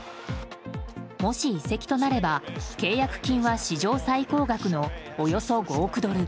もし移籍となれば、契約金は史上最高額のおよそ５億ドル。